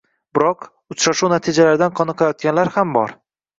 Biroq, uchrashuv natijalaridan qoniqayotganlar ham bor